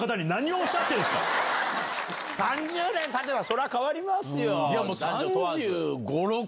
３０年たてば変わりますよ。